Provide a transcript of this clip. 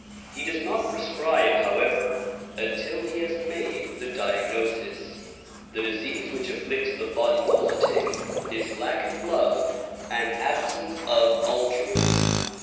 He does not prescribe however until he has made the diagnosis. The disease which afflicts the body politic is lack of love and absence of altruism.